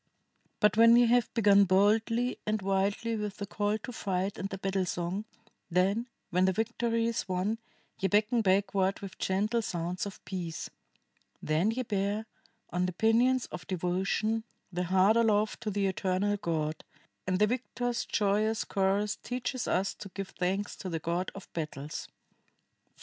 "But, when ye have begun boldly and wildly with the call to fight and the battle song, then, when the victory is won, ye beckon backward with gentle sounds of peace. Then ye bear, on the pinions of devotion, the heart aloft to the eternal God, and the victors' joyous chorus teaches us to give thanks to the God of Battles." [IV.